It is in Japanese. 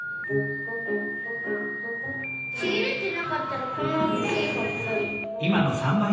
ちぎれてなかったらこんなおおきいはっぱ。